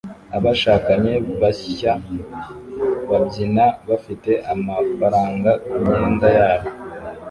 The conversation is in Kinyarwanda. Abashakanye bashya babyina bafite amafaranga kumyenda yabo